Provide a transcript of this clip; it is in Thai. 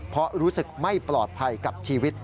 เพราะรู้สึกไม่ปลอดภัยกับชีวิต